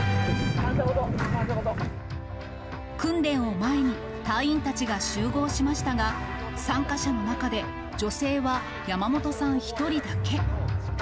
訓練を前に、隊員たちが集合しましたが、参加者の中で女性は山本さん１人だけ。